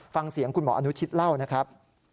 ฟังเสียงคุณหมออนุชิตเล่านะครับ